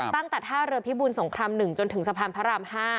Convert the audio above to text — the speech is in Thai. ตั้งแต่ท่าเรือพิบูลสงคราม๑จนถึงสะพานพระราม๕